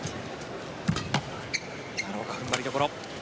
奈良岡、踏ん張りどころ。